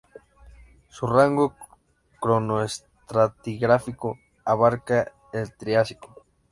Su rango cronoestratigráfico abarca el Triásico.